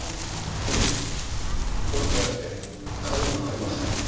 いえこの部屋だけ鍵がありません。